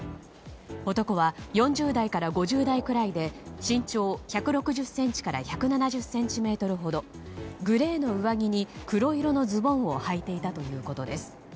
男は４０代から５０代くらいで身長１６０ｃｍから１７０ｃｍほどグレーの上着に黒色のズボンをはいていたということです。